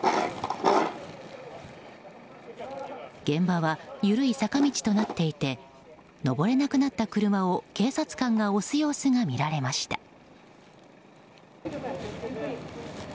現場は緩い坂道となっていて上れなくなった車を警察官が押す様子が見られました。